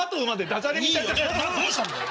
どうしたんだよ！？